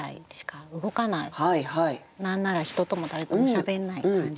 何なら人とも誰ともしゃべんない感じで。